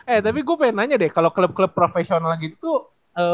eh tapi gue pengen nanya deh kalau klub klub profesional gitu tuh